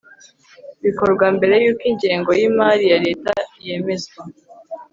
bikorwa mbere y'uko ingengo y'imari ya leta yemezwa